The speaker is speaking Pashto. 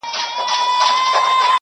• ډېر نا اهله بد کرداره او بد خوی ؤ,